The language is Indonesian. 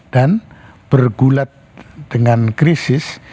dan bergulat dengan krisis